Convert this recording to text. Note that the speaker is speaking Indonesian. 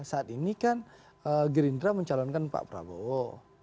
saat ini kan gerindra mencalonkan pak prabowo